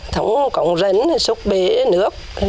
thống cổng ránh xúc bế nước